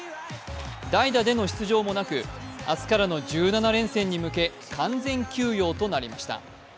代打での出場もなく明日からの１７連戦に向け完全休養となりました。